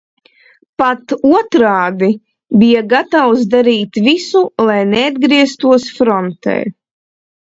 Pat otrādi, bija gatavs darīt visu, lai neatgrieztos frontē.